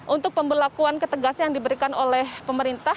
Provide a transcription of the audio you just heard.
untuk pembelakuan ketegasan yang diberikan oleh pemerintah